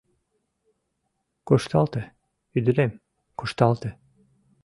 Кушталте, ӱдырем, кушталте.